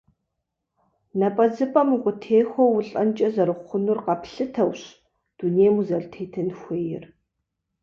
Напӏэзыпӏэм укъытехуэу улӏэнкӏэ зэрыхъунур къэплъытэущ дунейм узэрытетын хуейр.